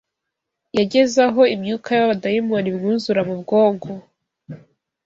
yageze aho imyuka y’abadayimoni imwuzura mu bwonko